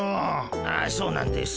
ああそうなんですか。